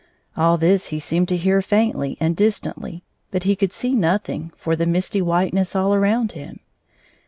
All this he seemed to hear faintly and distantly, but he could see no thing for the misty whiteness all around him.